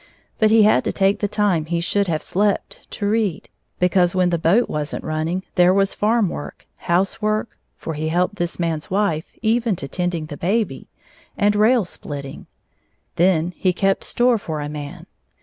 But he had to take the time he should have slept to read, because when the boat wasn't running there was farm work, housework (for he helped this man's wife, even to tending the baby), and rail splitting. Then he kept store for a man.